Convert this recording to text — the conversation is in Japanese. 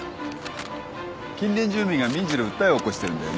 近隣住民が民事で訴えを起こしてるんだよね？